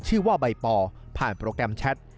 ชื่อว่าใบปอผ่านโปรแกรมแชท